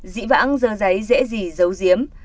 dĩ vãng dơ giấy dễ dỉ dấu diếm